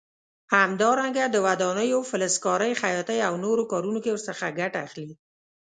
همدارنګه د ودانیو، فلزکارۍ، خیاطۍ او نورو کارونو کې ورڅخه ګټه اخلي.